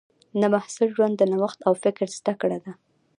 د محصل ژوند د نوښت او فکر زده کړه ده.